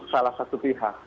salah satu pihak